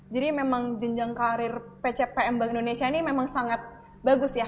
jadi memang jenjang karir pcpm bank indonesia ini memang sangat bagus ya